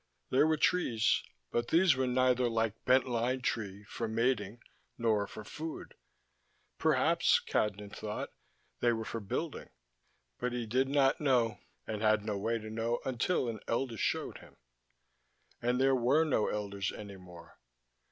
There were trees, but these were neither like Bent Line Tree, for mating, nor for food. Perhaps, Cadnan thought, they were for building, but he did not know, and had no way to know until an elder showed him. And there were no elders any more.